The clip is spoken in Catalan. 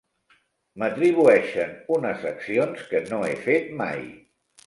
M'atribueixen unes accions que no he fet mai.